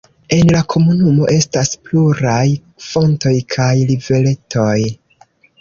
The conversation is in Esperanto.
En la komunumo estas pluraj fontoj kaj riveretoj.